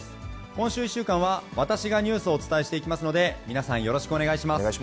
今週１週間は、私がニュースをお伝えしていきますので、皆さん、お願いします。